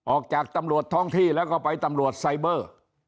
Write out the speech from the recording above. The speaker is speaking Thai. ออกจากตำรวจท้องที่แล้วก็ไปตำรวจไซเบอร์